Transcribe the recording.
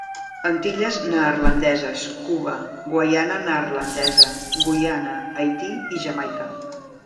Antilles Neerlandeses, Cuba, Guaiana Neerlandesa, Guyana, Haití i Jamaica.